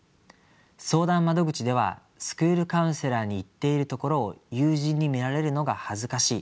相談窓口では「スクールカウンセラーに行っているところを友人に見られるのが恥ずかしい」。